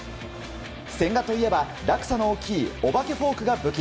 千賀といえば、落差の大きいお化けフォークが武器。